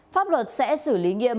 pháp luật sẽ xử lý nghiêm